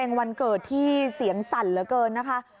วันเกิดที่เสียงสั่นเหลือเกินนะคะ